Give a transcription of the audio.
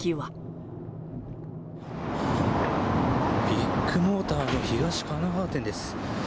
ビッグモーターの東神奈川店です。